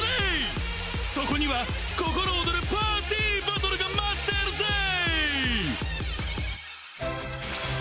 そこにはココロオドルパーティーバトルが待ってるぜー！